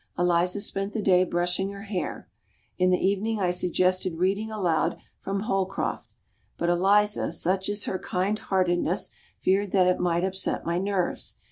Eliza spent the day brushing her hair. In the evening I suggested reading aloud from Holcroft; but Eliza, such is her kind heartedness, feared that it might upset my nerves.